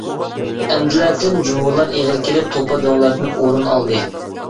ئەمدىلەتىن، جۇۋىلار ئېغىر كېلىپ، توپا دۆڭلەردىن ئورۇن ئالدى.